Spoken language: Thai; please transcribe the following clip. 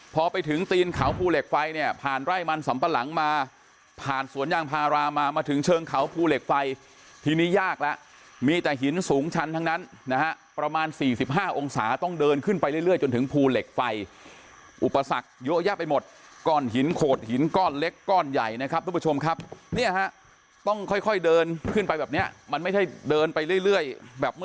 พอไปถึงตีนเขาภูเหล็กไฟเนี่ยผ่านไร่มันสำปะหลังมาผ่านสวนยางพารามามาถึงเชิงเขาภูเหล็กไฟทีนี้ยากแล้วมีแต่หินสูงชันทั้งนั้นนะฮะประมาณ๔๕องศาต้องเดินขึ้นไปเรื่อยจนถึงภูเหล็กไฟอุปสรรคเยอะแยะไปหมดก้อนหินโขดหินก้อนเล็กก้อนใหญ่นะครับทุกผู้ชมครับเนี่ยฮะต้องค่อยเดินขึ้นไปแบบเนี้ยมันไม่ใช่เดินไปเรื่อยแบบเมื่อ